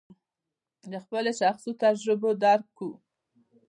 د خپلو شخصي تجربو درک کوو.